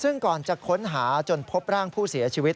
ซึ่งก่อนจะค้นหาจนพบร่างผู้เสียชีวิต